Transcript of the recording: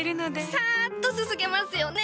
サッとすすげますよね！